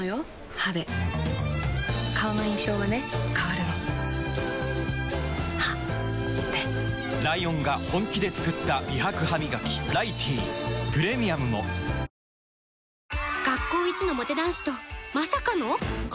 歯で顔の印象はね変わるの歯でライオンが本気で作った美白ハミガキ「ライティー」プレミアムも確定申告終わった。